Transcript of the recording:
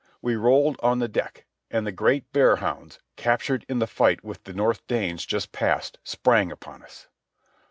We rolled on the deck, and the great bear hounds, captured in the fight with the North Danes just past, sprang upon us.